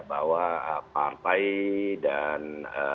bahwa partai dan